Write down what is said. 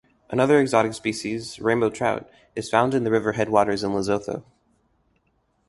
Another exotic species, rainbow trout, is found in the river headwaters in Lesotho.